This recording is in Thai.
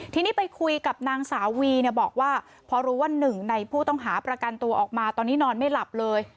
ทีนี้ไปคุยกับนางสาววีเนี่ยบอกว่าพอรู้ว่าหนึ่งในผู้ต้องหาประกันตัวออกมาตอนนี้นอนไม่หลับเลย